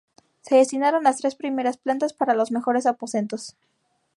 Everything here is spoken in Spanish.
Se destinaron las tres primeras plantas para los mejores aposentos.